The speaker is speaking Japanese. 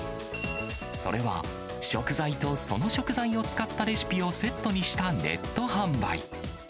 それは、食材と、その食材を使ったレシピをセットにしたネット販売。